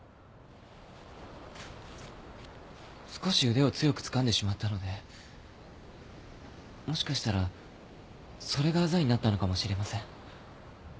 少し腕を強くつかんでしまったのでもしかしたらそれがあざになったのかもしれません。